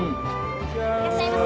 いらっしゃいませ。